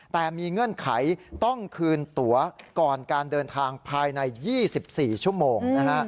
แต่มีเงื่อนไขต้องคืนตัวก่อนการเดินทางภายใน๒๔ชั่วโมงนะฮะ